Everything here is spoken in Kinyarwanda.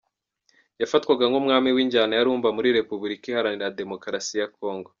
Yafatwaga nk’umwami w’injyana ya Rumba muri Repubilika Iharanira Demokarasi ya Congo.